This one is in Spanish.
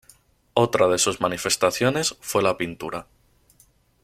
Otra de sus manifestaciones fue la pintura.